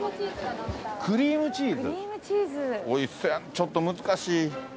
ちょっと難しい。